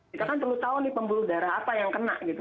kita kan perlu tahu nih pembuluh darah apa yang kena gitu